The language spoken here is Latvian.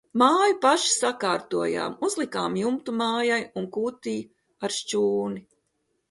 Māju paši sakārtojām, uzlikām jumtu mājai un kūtij ar šķūni.